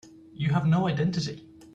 You have no identity.